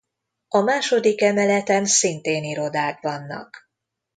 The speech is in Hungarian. A második emeleten szintén irodák vannak.